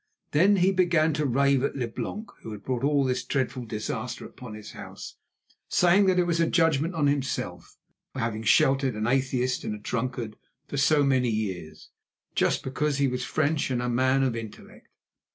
Then he began to rave at Leblanc, who had brought all this dreadful disaster upon his house, saying that it was a judgment on himself for having sheltered an atheist and a drunkard for so many years, just because he was French and a man of intellect.